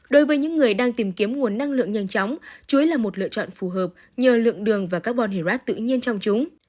đối với những người đang tìm kiếm nguồn năng lượng nhanh chóng chuối là một lựa chọn phù hợp nhờ lượng đường và carbon hydrate tự nhiên trong chúng